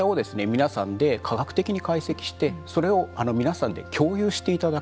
皆さんで科学的に解析してそれを皆さんで共有していただくという。